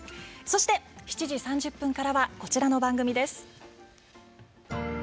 そして、７時３０分からはこちらの番組です。